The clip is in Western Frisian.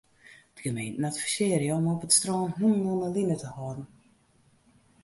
De gemeenten advisearje om op it strân hûnen oan 'e line te hâlden.